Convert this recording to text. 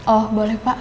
oh boleh pak